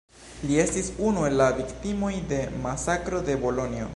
Li estis unu el la viktimoj de masakro de Bolonjo.